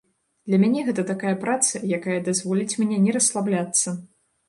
Для мяне гэта такая праца, якая дазволіць мне не расслабляцца.